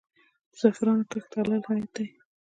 د زعفرانو کښت حلال عاید دی؟